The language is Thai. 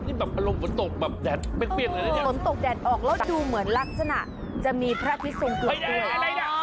นี่แบบมาลงฝนตกแบบแดดเปรี้ยงอะไรอย่างนี้ฝนตกแดดออกแล้วดูเหมือนลักษณะจะมีพระพิษศนกลุ่มตัวกัน